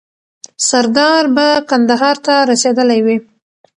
سردار به کندهار ته رسېدلی وي.